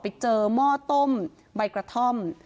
ไปเจอหม้อต้มใบกระท่อม